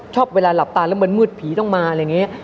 ชอบเวลาหลับตาเหมือนมืดผีต้องมาอะไรอย่างนี้